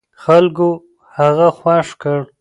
خلکو هغه خوښ کړ.